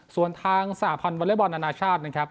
ส่วนทางสหพันธ์วอเล็กบอลนานาชาตินะครับ